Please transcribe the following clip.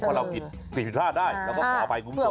เพราะเราผิดผิดพิษภาพได้แล้วก็ขอไปคุณผู้ชมละกัน